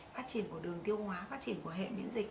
phát triển của đường tiêu hóa phát triển của hệ miễn dịch